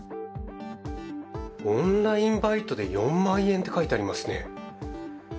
オンラインバイトで４万円って書いてありますね。